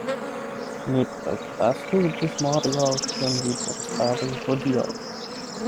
Ne prokrastu ĝis morgaŭ, kion vi povas fari hodiaŭ.